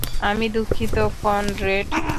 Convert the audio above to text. আমি দুঃখিত, কনরেড।